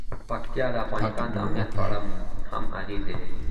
پکتیکا د افغانستان د امنیت په اړه هم اغېز لري.